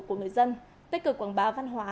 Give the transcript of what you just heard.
của người dân tích cực quảng báo văn hóa